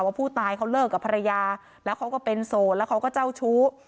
ว่าผู้ตายเขาเลิกกับภรรยาแล้วเขาก็เป็นโสดแล้วเขาก็เจ้าชู้